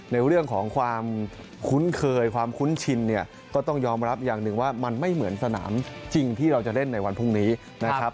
ในเรื่องของความคุ้นเคยความคุ้นชินเนี่ยก็ต้องยอมรับอย่างหนึ่งว่ามันไม่เหมือนสนามจริงที่เราจะเล่นในวันพรุ่งนี้นะครับ